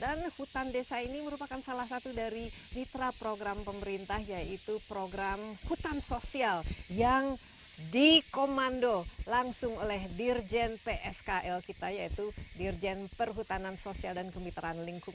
dan hutan desa ini merupakan salah satu dari litera program pemerintah yaitu program hutan sosial yang dikomando langsung oleh dirjen pskl kita yaitu dirjen perhutanan sosial dan kemitraan lingkungan